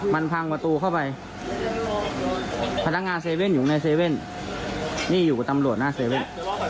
มันพังประตูเข้าไปพนักงานเซเว่นอยู่ในเซเว่นนี่อยู่ตำรวจหน้าเซเว่น